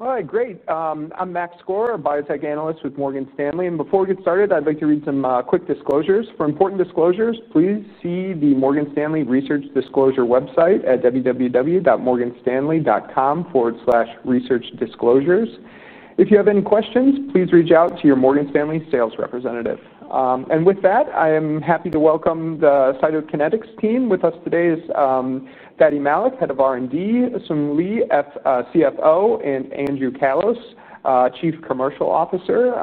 All right, great. I'm Max Skorer, a biotech analyst with Morgan Stanley. Before we get started, I'd like to read some quick disclosures. For important disclosures, please see the Morgan Stanley research disclosure website at www.morganstanley.com/researchdisclosures. If you have any questions, please reach out to your Morgan Stanley sales representative. With that, I am happy to welcome the Cytokinetics team. With us today is Fady Malik, Head of R&D, Sung Lee, CFO, and Andrew Callos, Chief Commercial Officer.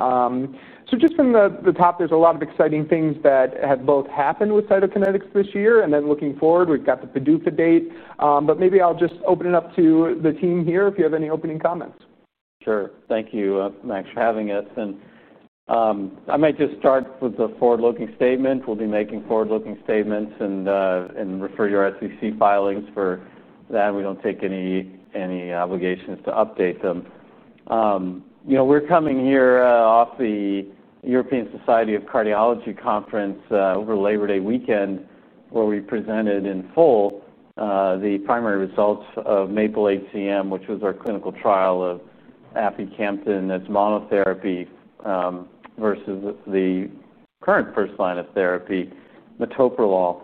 Just from the top, there's a lot of exciting things that have both happened with Cytokinetics this year. Looking forward, we've got the PDUFA date. Maybe I'll just open it up to the team here if you have any opening comments. Sure. Thank you, Max, for having us. I might just start with the forward-looking statement. We'll be making forward-looking statements and refer you to our SEC filings for that. We don't take any obligations to update them. You know, we're coming here off the European Society of Cardiology conference over Labor Day weekend, where we presented in full the primary results of MAPLE-HCM, which was our clinical trial of Aficamten as monotherapy versus the current first line of therapy, metoprolol.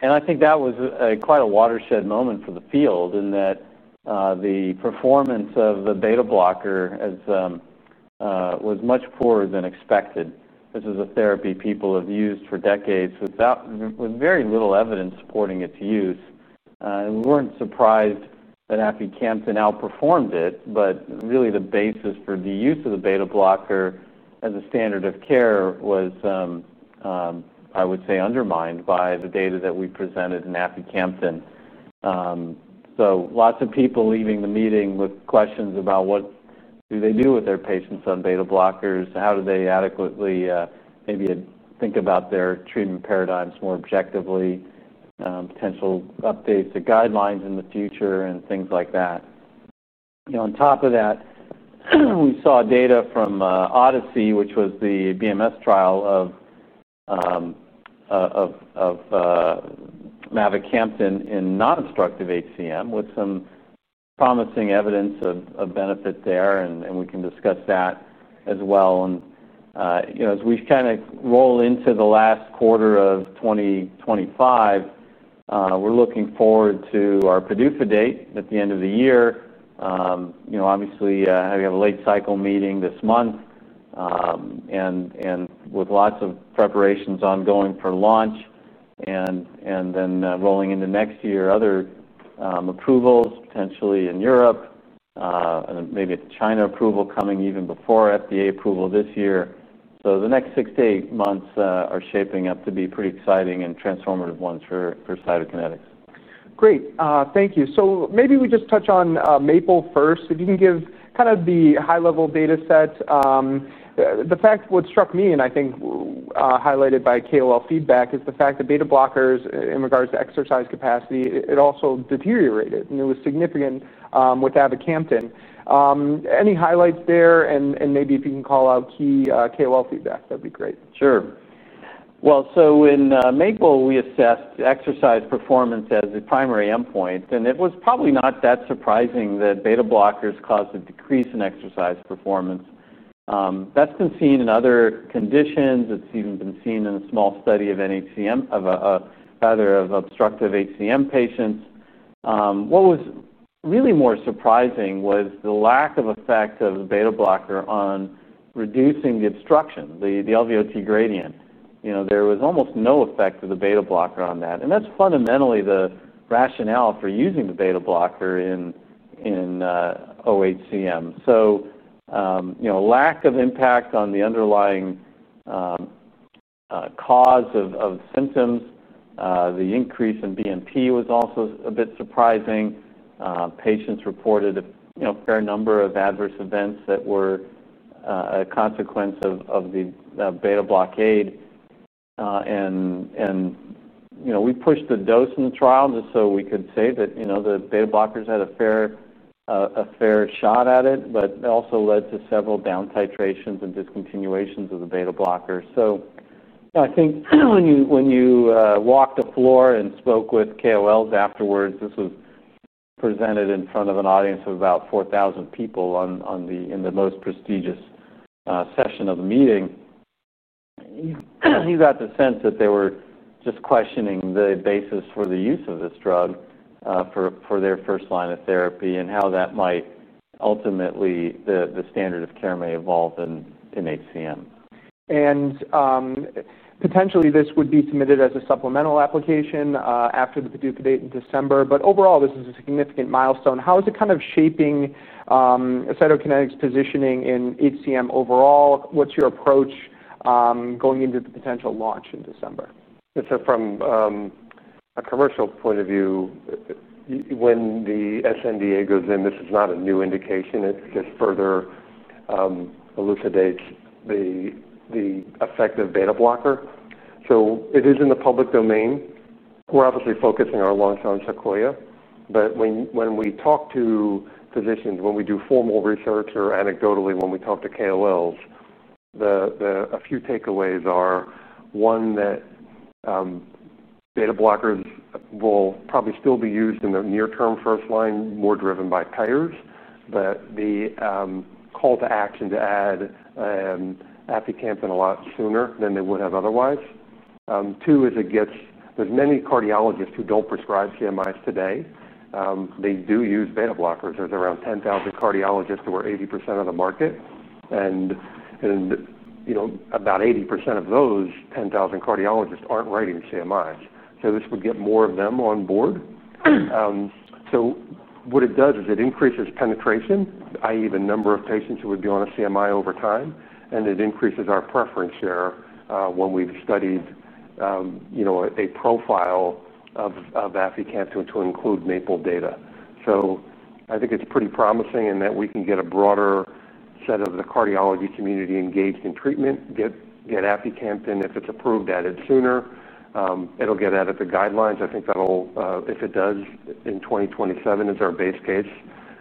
I think that was quite a watershed moment for the field in that the performance of the beta blocker was much poorer than expected. This is a therapy people have used for decades with very little evidence supporting its use. We weren't surprised that Aficamten outperformed it. Really, the basis for the use of the beta blocker as a standard of care was, I would say, undermined by the data that we presented in Aficamten. Lots of people left the meeting with questions about what do they do with their patients on beta blockers, how do they adequately maybe think about their treatment paradigms more objectively, potential updates to guidelines in the future, and things like that. On top of that, we saw data from Odyssey, which was the Bristol Myers Squibb trial of Camzyos (mavacamten) in non-obstructive HCM with some promising evidence of benefit there. We can discuss that as well. You know, as we kind of roll into the last quarter of 2025, we're looking forward to our PDUFA date at the end of the year. Obviously, having a late cycle meeting this month and with lots of preparations ongoing for launch and then rolling into next year, other approvals potentially in Europe, maybe a China approval coming even before FDA approval this year. The next six to eight months are shaping up to be pretty exciting and transformative ones for Cytokinetics. Great. Thank you. Maybe we just touch on MAPLE first. If you can give kind of the high-level data set. The fact what struck me, and I think highlighted by KOL feedback, is the fact that beta blockers in regards to exercise capacity, it also deteriorated and it was significant with Aficamten. Any highlights there? Maybe if you can call out key KOL feedback, that'd be great. Sure. In MAPLE, we assessed exercise performance as a primary endpoint. It was probably not that surprising that beta blockers caused a decrease in exercise performance. That's been seen in other conditions. It's even been seen in a small study of non-obstructive HCM, rather of obstructive HCM patients. What was really more surprising was the lack of effect of the beta blocker on reducing the obstruction, the LVOT gradient. There was almost no effect of the beta blocker on that. That's fundamentally the rationale for using the beta blocker in obstructive HCM. Lack of impact on the underlying cause of symptoms. The increase in BNP was also a bit surprising. Patients reported a fair number of adverse events that were a consequence of the beta blockade. We pushed the dose in the trial just so we could say that the beta blockers had a fair shot at it, but it also led to several down titrations and discontinuations of the beta blockers. I think when you walked the floor and spoke with KOLs afterwards, this was presented in front of an audience of about 4,000 people in the most prestigious session of the meeting. You got the sense that they were just questioning the basis for the use of this drug for their first line of therapy and how that might ultimately, the standard of care may evolve in HCM. Potentially, this would be submitted as a supplemental application after the PDUFA date in December. Overall, this is a significant milestone. How is it kind of shaping Cytokinetics' positioning in HCM overall? What's your approach going into the potential launch in December? From a commercial point of view, when the SNDA goes in, this is not a new indication. It just further elucidates the effect of beta blocker. It is in the public domain. We're obviously focusing on long-term Sequoia. When we talk to physicians, when we do formal research or anecdotally, when we talk to KOLs, a few takeaways are, one, that beta blockers will probably still be used in the near-term first line, more driven by payers, but the call to action to add Aficamten a lot sooner than they would have otherwise. Two, there are many cardiologists who don't prescribe cardiac myosin inhibitors today. They do use beta blockers. There are around 10,000 cardiologists who are 80% of the market, and about 80% of those 10,000 cardiologists aren't writing cardiac myosin inhibitors. This would get more of them on board. What it does is it increases penetration, i.e., the number of patients who would be on a cardiac myosin inhibitor over time, and it increases our preference share when we've studied a profile of Aficamten to include MAPLE-HCM data. I think it's pretty promising in that we can get a broader set of the cardiology community engaged in treatment, get Aficamten, if it's approved, added sooner. It'll get added to guidelines. I think if it does in 2027, that is our base case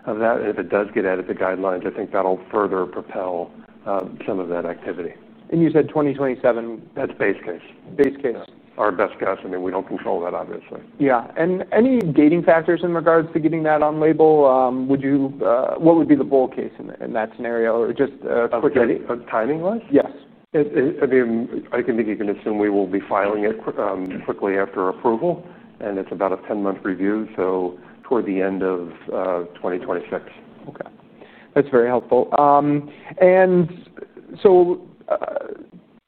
of that. If it does get added to guidelines, I think that'll further propel some of that activity. You said 2027, that's base case. Base case is our best guess. I mean, we don't control that, obviously. Yeah. Are there any gating factors in regards to getting that on label? What would be the bold case in that scenario? Just a quick. Timing-wise? Yes. I think you can assume we will be filing it quickly after approval. It's about a 10-month review, so toward the end of 2026. Okay. That's very helpful.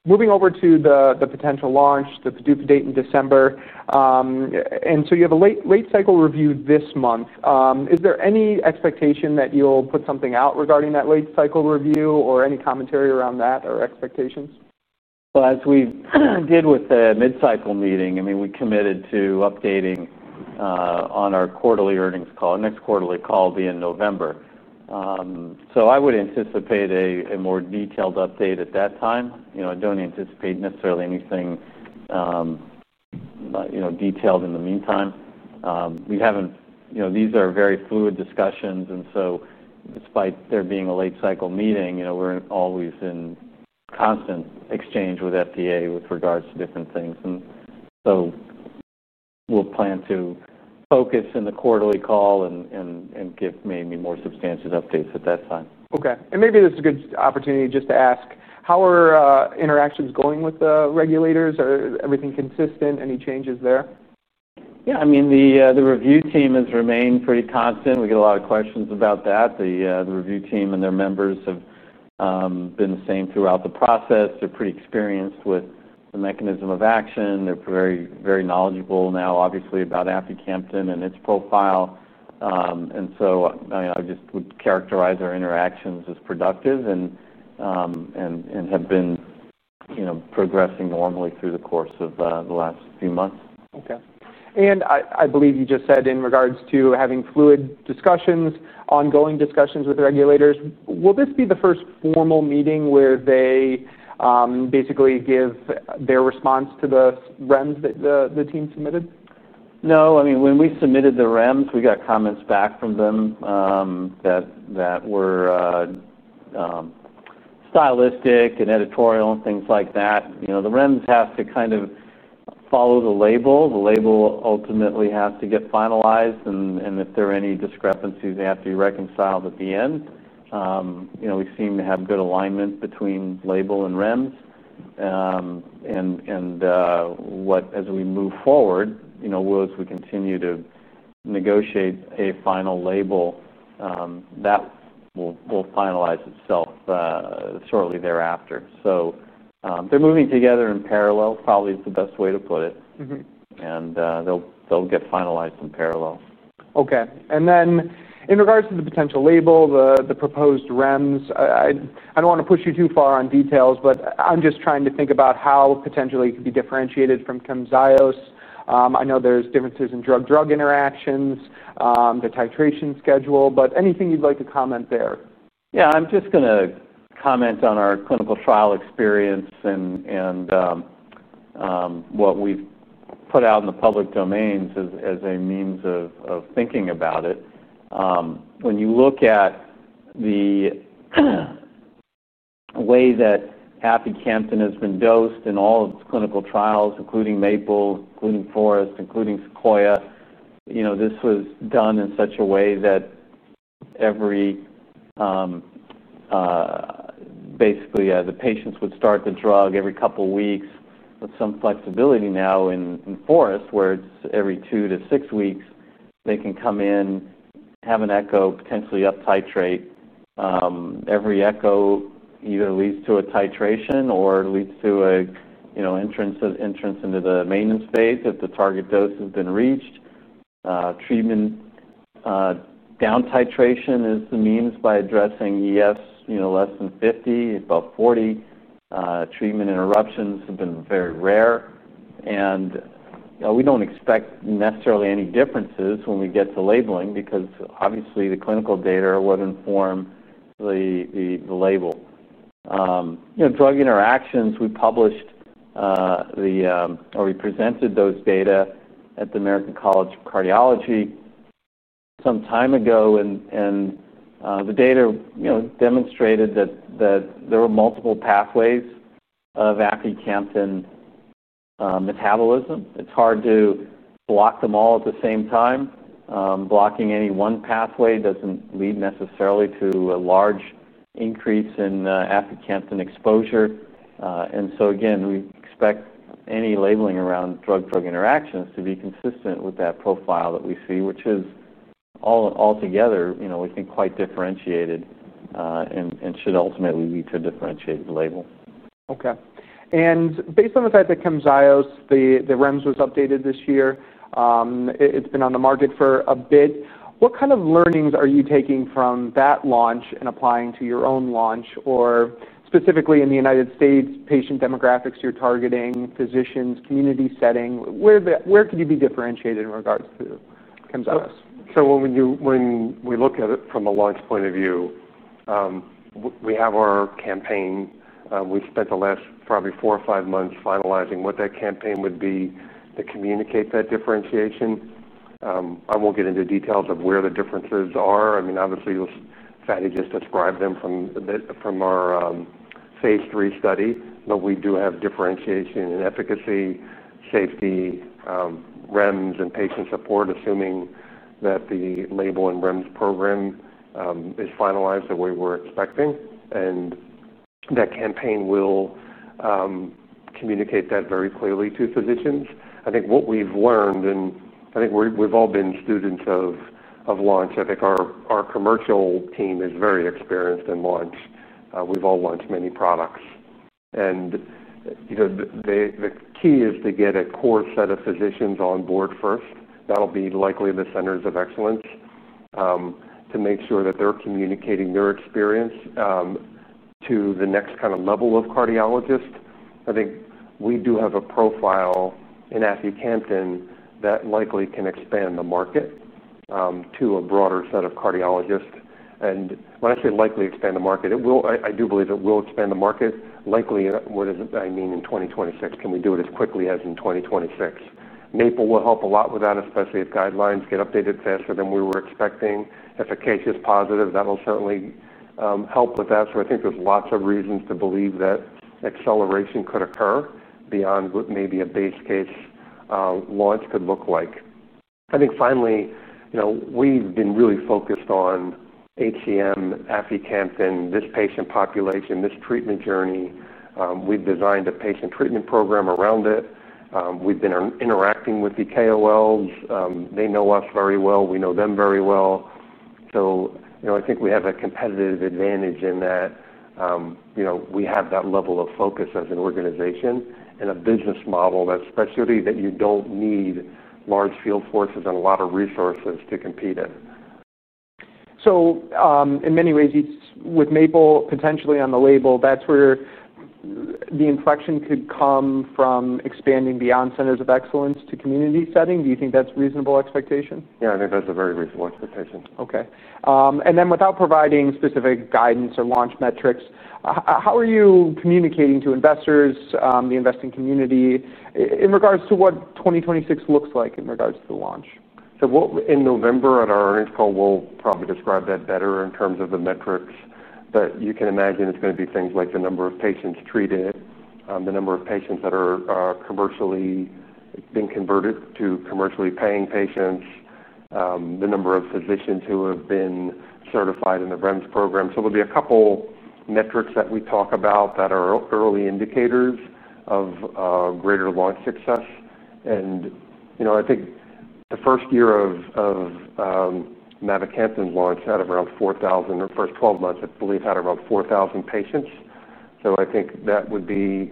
Moving over to the potential launch, the PDUFA date in December. You have a late cycle review this month. Is there any expectation that you'll put something out regarding that late cycle review or any commentary around that or expectations? As we did with the mid-cycle meeting, I mean, we committed to updating on our quarterly earnings call, next quarterly call being November. I would anticipate a more detailed update at that time. I don't anticipate necessarily anything detailed in the meantime. These are very fluid discussions. Despite there being a late cycle meeting, we're always in constant exchange with FDA with regards to different things. We'll plan to focus in the quarterly call and give maybe more substantive updates at that time. Okay. Maybe this is a good opportunity just to ask, how are interactions going with the regulators? Is everything consistent? Any changes there? Yeah. I mean, the review team has remained pretty constant. We get a lot of questions about that. The review team and their members have been the same throughout the process. They're pretty experienced with the mechanism of action. They're very, very knowledgeable now, obviously, about Aficamten and its profile. I just would characterize our interactions as productive and have been progressing normally through the course of the last few months. Okay. I believe you just said in regards to having fluid discussions, ongoing discussions with regulators, will this be the first formal meeting where they basically give their response to the REMS that the team submitted? No. I mean, when we submitted the REMS, we got comments back from them that were stylistic and editorial and things like that. The REMS have to kind of follow the label. The label ultimately has to get finalized. If there are any discrepancies, they have to be reconciled at the end. We seem to have good alignment between label and REMS. As we move forward, as we continue to negotiate a final label, that will finalize itself shortly thereafter. They are moving together in parallel, probably is the best way to put it, and they'll get finalized in parallel. Okay. In regards to the potential label, the proposed REMS, I don't want to push you too far on details, but I'm just trying to think about how potentially it could be differentiated from Camzyos. I know there's differences in drug-drug interactions, the titration schedule, but anything you'd like to comment there? Yeah. I'm just going to comment on our clinical trial experience and what we've put out in the public domain as a means of thinking about it. When you look at the way that Aficamten has been dosed in all of its clinical trials, including MAPLE-HCM, including Faurescu, including Sequoia, this was done in such a way that basically, the patients would start the drug every couple of weeks with some flexibility now in Faurescu, where it's every two to six weeks. They can come in, have an echo, potentially up-titrate. Every echo either leads to a titration or leads to an entrance into the maintenance phase if the target dose has been reached. Treatment down titration is the means by addressing EFs less than 50%, above 40%. Treatment interruptions have been very rare. We don't expect necessarily any differences when we get to labeling because obviously, the clinical data will inform the label. Drug interactions, we published or we presented those data at the American College of Cardiology some time ago. The data demonstrated that there were multiple pathways of Aficamten metabolism. It's hard to block them all at the same time. Blocking any one pathway doesn't lead necessarily to a large increase in Aficamten exposure. We expect any labeling around drug-drug interactions to be consistent with that profile that we see, which is altogether, we think, quite differentiated and should ultimately lead to a differentiated label. Okay. Based on the fact that Camzyos, the REMS was updated this year, it's been on the market for a bit. What kind of learnings are you taking from that launch and applying to your own launch or specifically in the U.S., patient demographics you're targeting, physicians, community setting? Where could you be differentiated in regards to Camzyos? When we look at it from a launch point of view, we have our campaign. We've spent the last probably four or five months finalizing what that campaign would be to communicate that differentiation. I won't get into details of where the differences are. Obviously, Fady just described them from our phase three study. We do have differentiation in efficacy, safety, REMS, and patient support, assuming that the label and REMS program is finalized the way we're expecting. That campaign will communicate that very clearly to physicians. I think what we've learned, and I think we've all been students of launch, our commercial team is very experienced in launch. We've all launched many products. The key is to get a core set of physicians on board first. That'll be likely the centers of excellence to make sure that they're communicating their experience to the next kind of level of cardiologists. I think we do have a profile in Aficamten that likely can expand the market to a broader set of cardiologists. When I say likely expand the market, I do believe it will expand the market. Likely, what does that mean in 2026? Can we do it as quickly as in 2026? MAPLE will help a lot with that, especially if guidelines get updated faster than we were expecting. If Acacia is positive, that'll certainly help with that. There are lots of reasons to believe that acceleration could occur beyond what maybe a base case launch could look like. Finally, we've been really focused on HCM, Aficamten, this patient population, this treatment journey. We've designed a patient treatment program around it. We've been interacting with the KOLs. They know us very well. We know them very well. I think we have a competitive advantage in that we have that level of focus as an organization and a business model that's specialty that you don't need large field forces and a lot of resources to compete in. In many ways, with MAPLE potentially on the label, that's where the inflection could come from expanding beyond centers of excellence to community setting. Do you think that's a reasonable expectation? Yeah, I think that's a very reasonable expectation. Okay. Without providing specific guidance or launch metrics, how are you communicating to investors, the investing community in regards to what 2026 looks like in regards to the launch? In November, at our earnings call, we'll probably describe that better in terms of the metrics. You can imagine it's going to be things like the number of patients treated, the number of patients that are being converted to commercially paying patients, the number of physicians who have been certified in the REMS program. There will be a couple of metrics that we talk about that are early indicators of greater launch success. I think the first year of Camzyos (mavacamten)'s launch had around 4,000, the first 12 months, I believe, had around 4,000 patients. I think that would be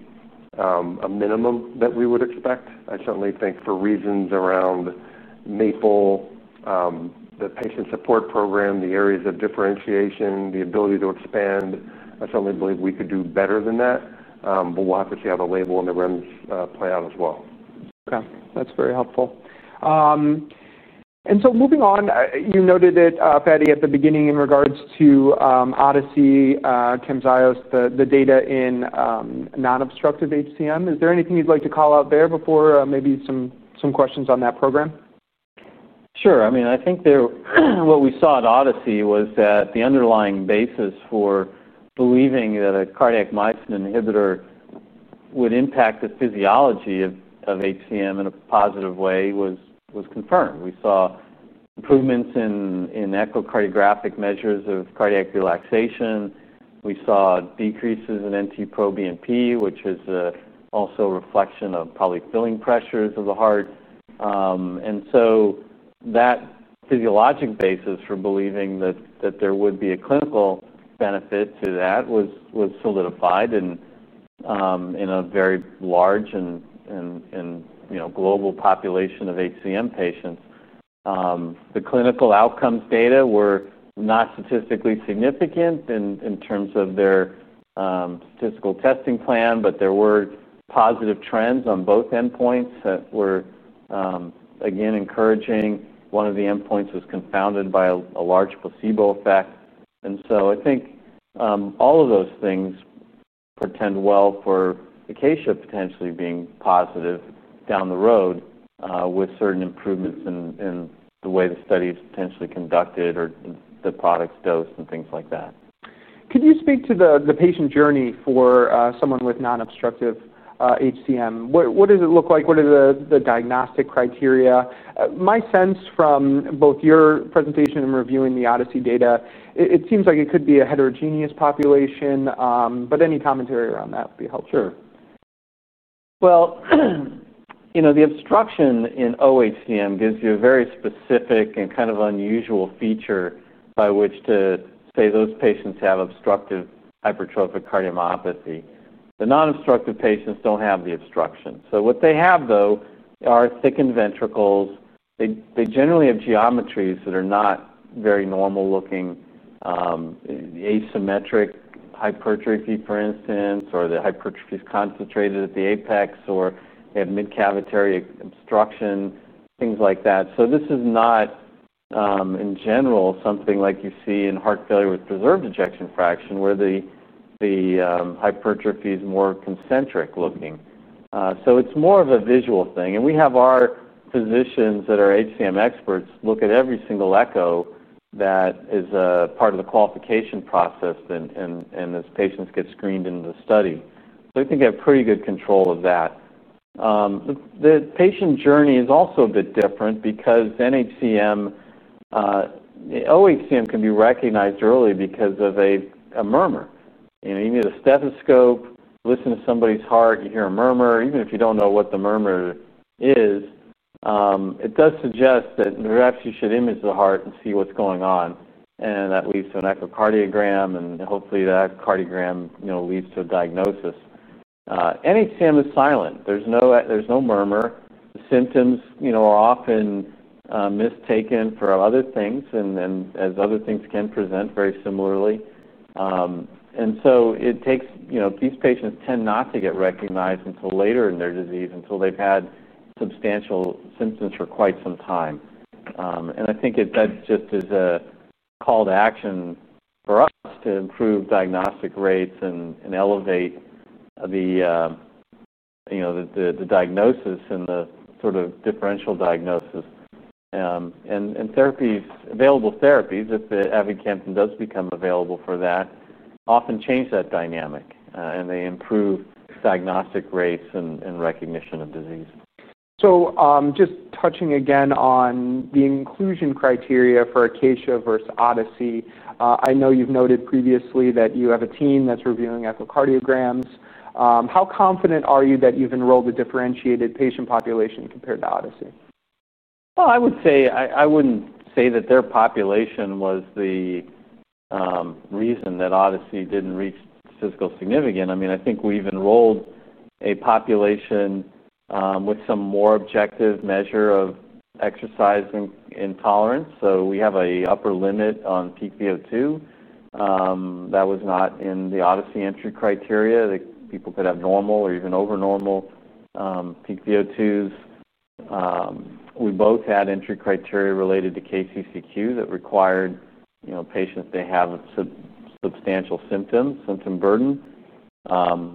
a minimum that we would expect. I certainly think for reasons around MAPLE, the patient support program, the areas of differentiation, the ability to expand, I certainly believe we could do better than that. We'll have to see how the label and the REMS play out as well. Okay. That's very helpful. Moving on, you noted it, Fady, at the beginning in regards to Odyssey, Camzyos, the data in non-obstructive HCM. Is there anything you'd like to call out there before maybe some questions on that program? Sure. I mean, I think what we saw at Odyssey was that the underlying basis for believing that a cardiac myosin inhibitor would impact the physiology of HCM in a positive way was confirmed. We saw improvements in echocardiographic measures of cardiac relaxation. We saw decreases in NT-proBNP, which is also a reflection of poly-filling pressures of the heart. That physiologic basis for believing that there would be a clinical benefit to that was solidified in a very large and global population of HCM patients. The clinical outcomes data were not statistically significant in terms of their statistical testing plan, but there were positive trends on both endpoints that were, again, encouraging. One of the endpoints was confounded by a large placebo effect. I think all of those things portend well for the case of potentially being positive down the road with certain improvements in the way the study is potentially conducted or the product's dose and things like that. Could you speak to the patient journey for someone with non-obstructive HCM? What does it look like? What are the diagnostic criteria? My sense from both your presentation and reviewing the Odyssey data, it seems like it could be a heterogeneous population, but any commentary around that would be helpful. Sure. You know, the obstruction in obstructive hypertrophic cardiomyopathy gives you a very specific and kind of unusual feature by which to say those patients have obstructive hypertrophic cardiomyopathy. The non-obstructive patients don't have the obstruction. What they have, though, are thickened ventricles. They generally have geometries that are not very normal-looking, asymmetric hypertrophy, for instance, or the hypertrophy is concentrated at the apex, or they have mid-cavitary obstruction, things like that. This is not, in general, something like you see in heart failure with preserved ejection fraction, where the hypertrophy is more concentric looking. It's more of a visual thing. We have our physicians that are HCM experts look at every single echo that is a part of the qualification process as patients get screened into the study. I think I have pretty good control of that. The patient journey is also a bit different because obstructive hypertrophic cardiomyopathy can be recognized early because of a murmur. You need a stethoscope, listen to somebody's heart, you hear a murmur. Even if you don't know what the murmur is, it does suggest that perhaps you should image the heart and see what's going on, and that leads to an echocardiogram. Hopefully, the echocardiogram leads to a diagnosis. Non-obstructive HCM is silent. There's no murmur. The symptoms are often mistaken for other things, and other things can present very similarly. It takes, you know, these patients tend not to get recognized until later in their disease, until they've had substantial symptoms for quite some time. I think that just is a call to action for us to improve diagnostic rates and elevate the diagnosis and the sort of differential diagnosis. Available therapies, if the Aficamten does become available for that, often change that dynamic, and they improve diagnostic rates and recognition of disease. Just touching again on the inclusion criteria for Acacia versus Odyssey, I know you've noted previously that you have a team that's reviewing echocardiograms. How confident are you that you've enrolled a differentiated patient population compared to Odyssey? I wouldn't say that their population was the reason that Odyssey didn't reach statistical significance. I think we've enrolled a population with some more objective measure of exercise intolerance. We have an upper limit on PCO2 that was not in the Odyssey entry criteria; people could have normal or even over normal PCO2s. We both had entry criteria related to KCCQ that required patients to have substantial symptoms, symptom burden.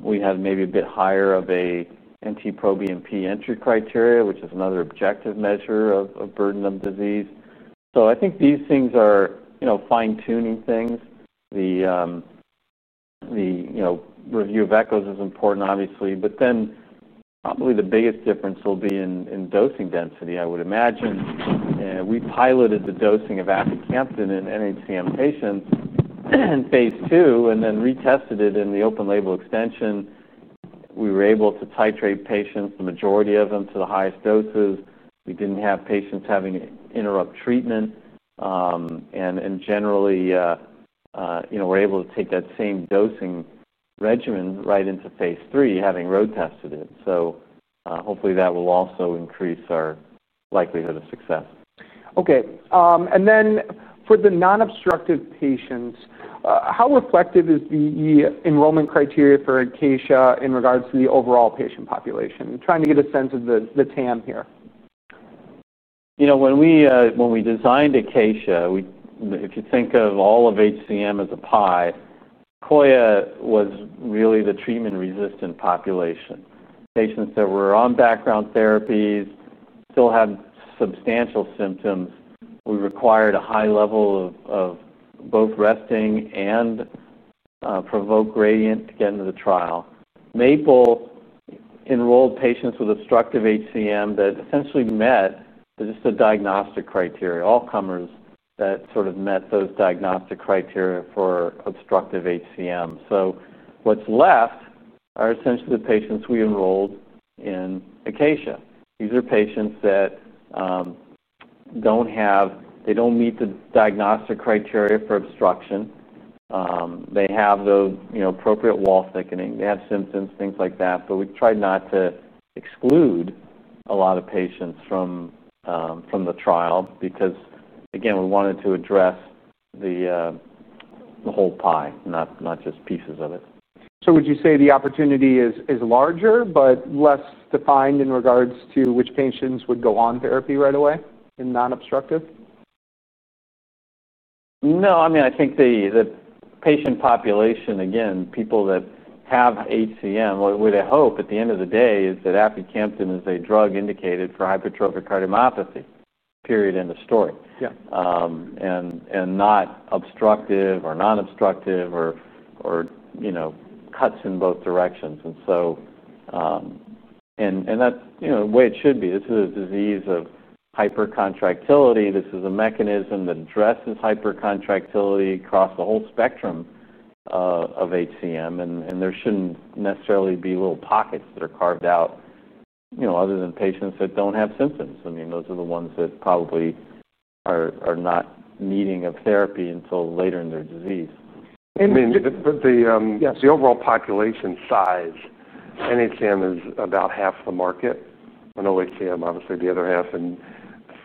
We had maybe a bit higher of an NT-proBNP entry criteria, which is another objective measure of burden of disease. I think these things are fine-tuning things. The review of echoes is important, obviously. Probably the biggest difference will be in dosing density, I would imagine. We piloted the dosing of Aficamten in NHCM patients in phase two and then retested it in the open-label extension. We were able to titrate patients, the majority of them, to the highest doses. We didn't have patients having to interrupt treatment. Generally, we're able to take that same dosing regimen right into phase three, having road tested it. Hopefully, that will also increase our likelihood of success. Okay. For the non-obstructive patients, how reflective is the enrollment criteria for Acacia in regards to the overall patient population? Trying to get a sense of the TAM here. When we designed Acacia, if you think of all of HCM as a pie, Sequoia was really the treatment-resistant population. Patients that were on background therapies still had substantial symptoms. We required a high level of both resting and provoked gradient to get into the trial. MAPLE enrolled patients with obstructive HCM that essentially met, but just the diagnostic criteria, all comers that sort of met those diagnostic criteria for obstructive HCM. What's left are essentially the patients we enrolled in Acacia. These are patients that don't have, they don't meet the diagnostic criteria for obstruction. They have the appropriate wall thickening. They have symptoms, things like that. We tried not to exclude a lot of patients from the trial because, again, we wanted to address the whole pie, not just pieces of it. Would you say the opportunity is larger, but less defined in regards to which patients would go on therapy right away in non-obstructive? No. I mean, I think the patient population, again, people that have HCM, what they hope at the end of the day is that Aficamten is a drug indicated for hypertrophic cardiomyopathy, period, end of story. Yeah. Not obstructive or non-obstructive or, you know, cuts in both directions. That is the way it should be. This is a disease of hypercontractility. This is a mechanism that addresses hypercontractility across the whole spectrum of HCM. There shouldn't necessarily be little pockets that are carved out, other than patients that don't have symptoms. I mean, those are the ones that probably are not needing therapy until later in their disease. And. Yes, the overall population size, non-obstructive HCM is about half the market, and obstructive HCM, obviously, the other half.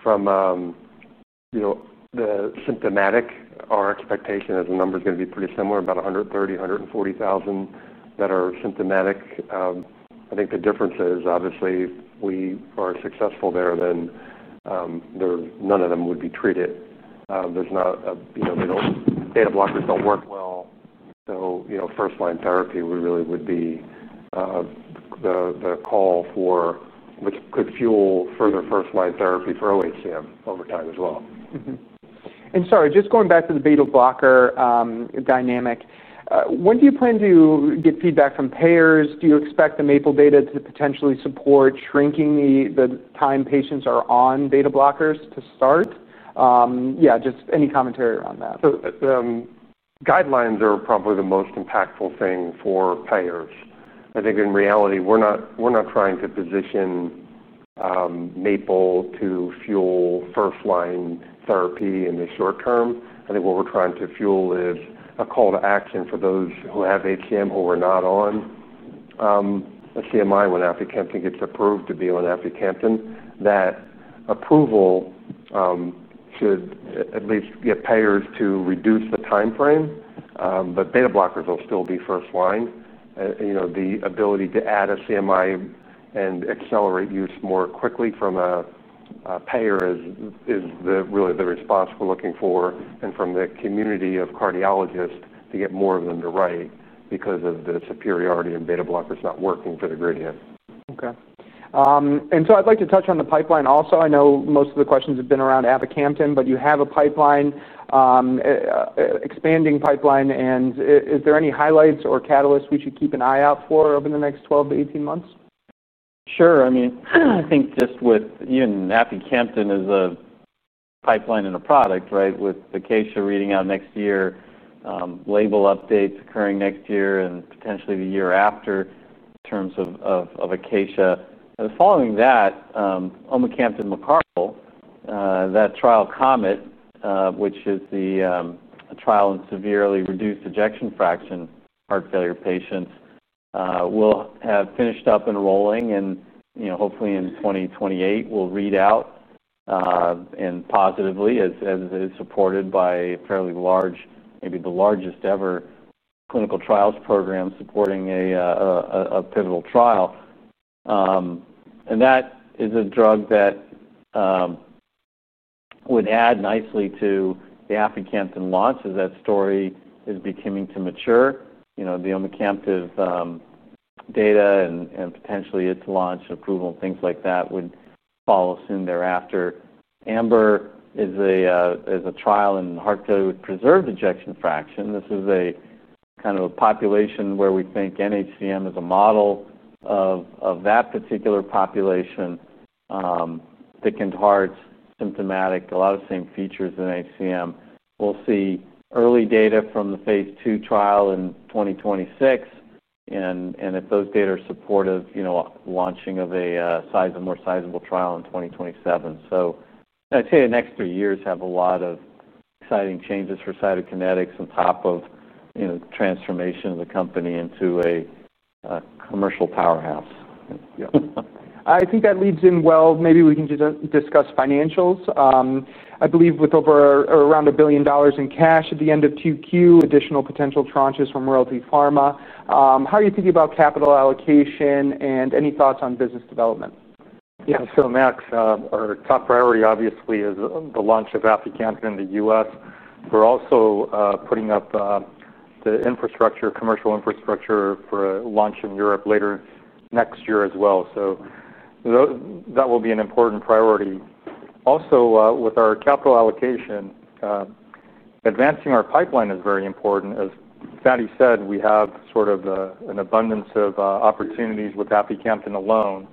From the symptomatic, our expectation is the number is going to be pretty similar, about 130,000, 140,000 that are symptomatic. I think the difference is, obviously, if we are successful there, then none of them would be treated. Beta blockers do not work well. First-line therapy, we really would be the call for, which could fuel further first-line therapy for obstructive HCM over time as well. Sorry, just going back to the beta blocker dynamic, when do you plan to get feedback from payers? Do you expect the MAPLE data to potentially support shrinking the time patients are on beta blockers to start? Yeah, just any commentary around that. Guidelines are probably the most impactful thing for payers. I think in reality, we're not trying to position MAPLE-HCM to fuel first-line therapy in the short term. I think what we're trying to fuel is a call to action for those who have HCM who are not on a CMI when Aficamten gets approved to be on Aficamten. That approval should at least get payers to reduce the timeframe. Beta blockers will still be first-line. The ability to add a CMI and accelerate use more quickly from a payer is really the response we're looking for, and from the community of cardiologists to get more of them to write because of the superiority in beta blockers not working for the gradient. Okay. I'd like to touch on the pipeline also. I know most of the questions have been around Aficamten, but you have a pipeline, expanding pipeline. Is there any highlights or catalysts we should keep an eye out for over the next 12 to 18 months? Sure. I mean, I think just with Aficamten as a pipeline and a product, right, with Acacia reading out next year, label updates occurring next year and potentially the year after in terms of Acacia. Following that, omecamtiv mecarbil, that trial COMET, which is a trial in severely reduced ejection fraction heart failure patients, will have finished up enrolling. Hopefully, in 2028, we'll read out positively as it is supported by a fairly large, maybe the largest ever clinical trials program supporting a pivotal trial. That is a drug that would add nicely to the Aficamten launch as that story is beginning to mature. The omecamtiv mecarbil data and potentially its launch and approval and things like that would follow soon thereafter. AMBER is a trial in heart failure with preserved ejection fraction. This is a kind of a population where we think non-obstructive HCM is a model of that particular population, thickened hearts, symptomatic, a lot of same features in HCM. We'll see early data from the phase two trial in 2026. If those data are supportive, launching of a sizeable, more sizable trial in 2027. I'd say the next three years have a lot of exciting changes for Cytokinetics on top of transformation of the company into a commercial powerhouse. Yeah, I think that leads in well. Maybe we can just discuss financials. I believe with over around $1 billion in cash at the end of Q2, additional potential tranches from Royalty Pharma. How are you thinking about capital allocation and any thoughts on business development? Yeah. Max, our top priority, obviously, is the launch of Aficamten in the US. We're also putting up the commercial infrastructure for a launch in Europe later next year as well. That will be an important priority. With our capital allocation, advancing our pipeline is very important. As Fady said, we have sort of an abundance of opportunities with Aficamten alone,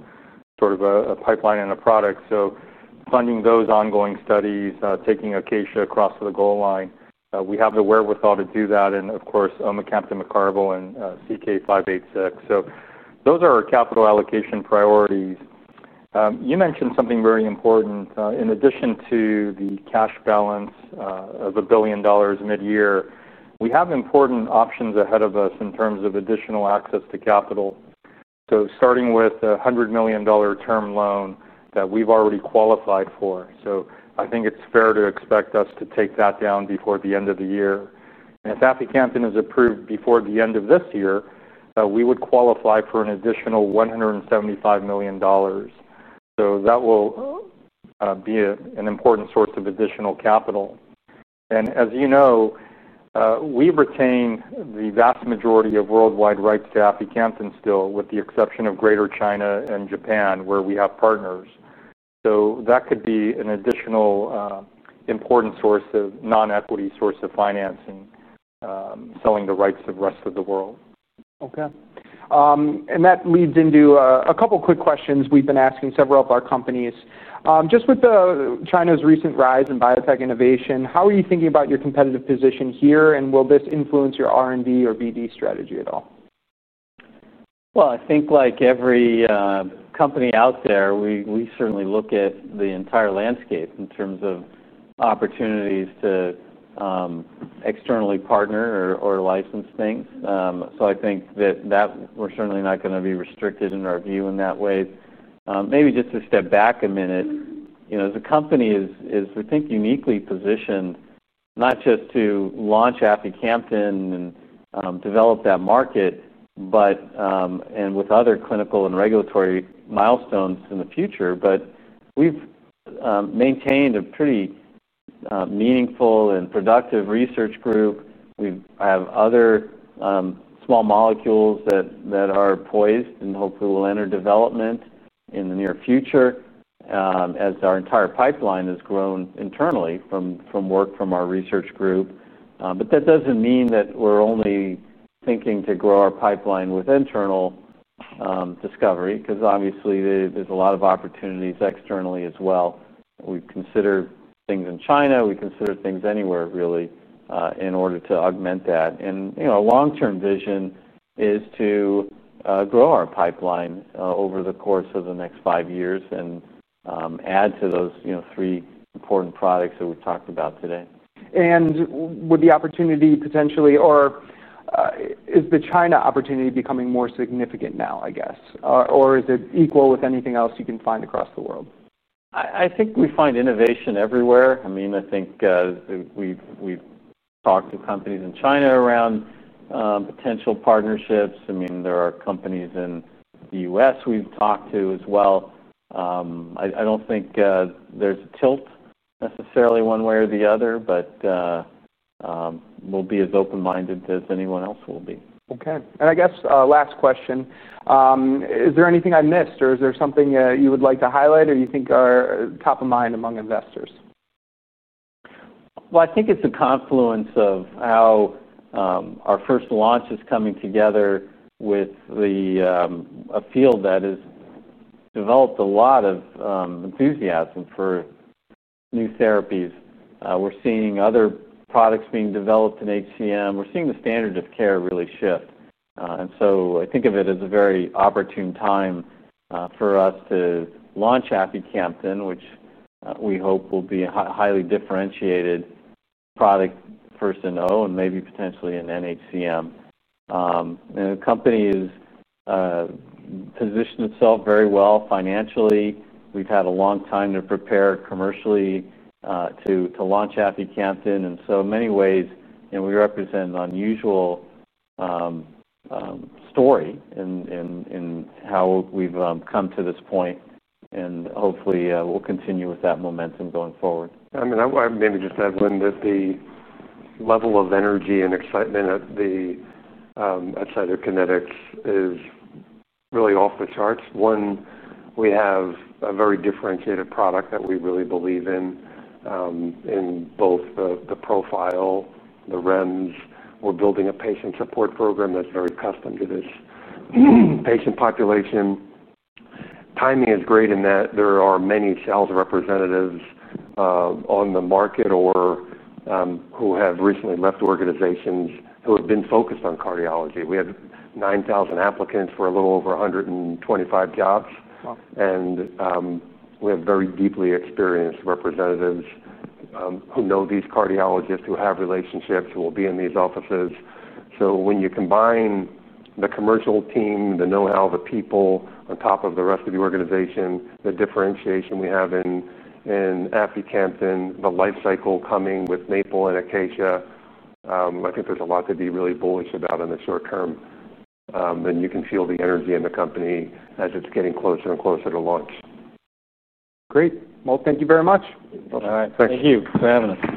sort of a pipeline and a product. Funding those ongoing studies, taking Acacia across to the goal line, we have the wherewithal to do that. Of course, omecamtiv mecarbil and CK-586. Those are our capital allocation priorities. You mentioned something very important. In addition to the cash balance of $1 billion mid-year, we have important options ahead of us in terms of additional access to capital. Starting with a $100 million term loan that we've already qualified for, I think it's fair to expect us to take that down before the end of the year. If Aficamten is approved before the end of this year, we would qualify for an additional $175 million. That will be an important source of additional capital. As you know, we retain the vast majority of worldwide rights to Aficamten still, with the exception of Greater China and Japan, where we have partners. That could be an additional important non-equity source of financing, selling the rights to the rest of the world. Okay. That leads into a couple of quick questions we've been asking several of our companies. With China's recent rise in biotech innovation, how are you thinking about your competitive position here? Will this influence your R&D or BD strategy at all? I think like every company out there, we certainly look at the entire landscape in terms of opportunities to externally partner or license things. I think that we're certainly not going to be restricted in our view in that way. Maybe just to step back a minute, you know, as a company, we think uniquely positioned not just to launch Aficamten and develop that market, but with other clinical and regulatory milestones in the future. We've maintained a pretty meaningful and productive research group. We have other small molecules that are poised and hopefully will enter development in the near future as our entire pipeline has grown internally from work from our research group. That doesn't mean that we're only thinking to grow our pipeline with internal discovery because obviously, there's a lot of opportunities externally as well. We consider things in China. We consider things anywhere, really, in order to augment that. You know, our long-term vision is to grow our pipeline over the course of the next five years and add to those three important products that we talked about today. Would the opportunity potentially, or is the China opportunity becoming more significant now? Is it equal with anything else you can find across the world? I think we find innovation everywhere. I think we've talked to companies in China around potential partnerships. There are companies in the US we've talked to as well. I don't think there's a tilt necessarily one way or the other, but we'll be as open-minded as anyone else will be. Okay. I guess last question. Is there anything I missed or is there something you would like to highlight or you think are top of mind among investors? I think it's a confluence of how our first launch is coming together with a field that has developed a lot of enthusiasm for new therapies. We're seeing other products being developed in HCM. We're seeing the standard-of-care really shift. I think of it as a very opportune time for us to launch Aficamten, which we hope will be a highly differentiated product for HCM and maybe potentially in non-obstructive HCM. The company has positioned itself very well financially. We've had a long time to prepare commercially to launch Aficamten. In many ways, you know, we represent an unusual story in how we've come to this point. Hopefully, we'll continue with that momentum going forward. I mean. I'd maybe just add one that the level of energy and excitement at Cytokinetics is really off the charts. One, we have a very differentiated product that we really believe in, in both the profile, the REMS. We're building a patient support program that's very custom to this patient population. Timing is great in that there are many sales representatives on the market or who have recently left organizations who have been focused on cardiology. We have 9,000 applicants for a little over 125 jobs. We have very deeply experienced representatives who know these cardiologists, who have relationships, who will be in these offices. When you combine the commercial team, the know-how, the people on top of the rest of the organization, the differentiation we have in Aficamten, the lifecycle coming with MAPLE-HCM and Acacia, I think there's a lot to be really bullish about in the short term. You can feel the energy in the company as it's getting closer and closer to launch. Great. Thank you very much. All right. Thanks. Thank you for having us.